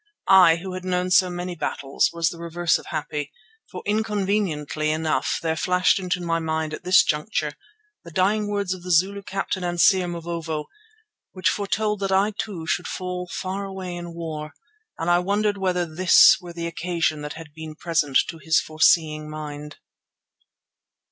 I who had known so many battles, was the reverse of happy, for inconveniently enough there flashed into my mind at this juncture the dying words of the Zulu captain and seer, Mavovo, which foretold that I too should fall far away in war; and I wondered whether this were the occasion that had been present to his foreseeing mind.